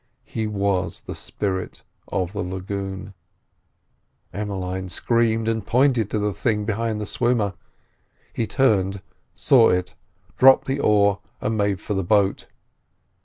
He was the spirit of the lagoon. Emmeline screamed, and pointed to the thing behind the swimmer. He turned, saw it, dropped the oar and made for the boat.